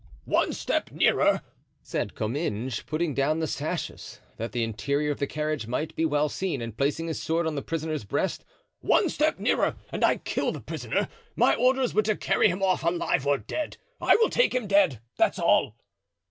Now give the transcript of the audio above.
"One step nearer," said Comminges, putting down the sashes, that the interior of the carriage might be well seen, and placing his sword on his prisoner's breast, "one step nearer, and I kill the prisoner; my orders were to carry him off alive or dead. I will take him dead, that's all."